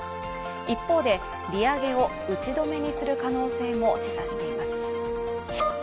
一方で利上げを打ち止めにする可能性も示唆しています。